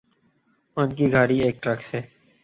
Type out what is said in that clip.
ان کی گاڑی ایک ٹرک سے